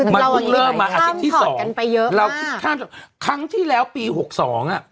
มันก็เริ่มมาอาจจะที่สองข้างที่แล้วปี๖๒อะ